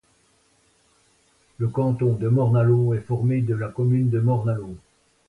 Le canton de Morne-à-l'Eau est formé de la commune de Morne-à-l'Eau.